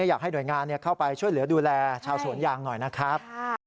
อยากให้หน่วยงานเข้าไปช่วยเหลือดูแลชาวสวนยางหน่อยนะครับ